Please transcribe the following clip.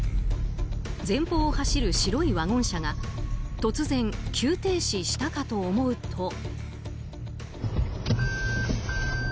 前方を走る白いワゴン車が突然、急停止したかと思うと。